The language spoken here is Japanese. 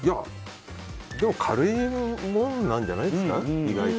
でも軽いものなんじゃないですか、意外と。